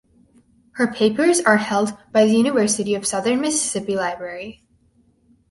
Her papers are held by the University of Southern Mississippi library.